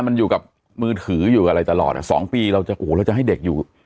มันอยู่กับมือถืออยู่กับอะไรตลอดสองปีเราจะให้เด็กอยู่